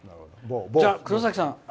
じゃあ、黒崎さん。